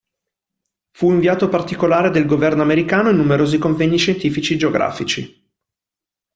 Fu inviato particolare del Governo americano in numerosi convegni scientifici geografici.